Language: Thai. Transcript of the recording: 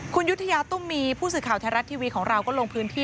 คุณยุธยาตุ้มมีผู้สื่อข่าวไทยรัฐทีวีของเราก็ลงพื้นที่